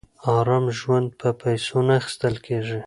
ارام ژوند په پیسو نه اخیستل کېږي.